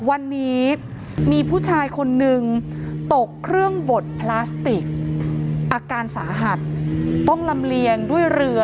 วันนี้มีผู้ชายคนนึงตกเครื่องบดพลาสติกอาการสาหัสต้องลำเลียงด้วยเรือ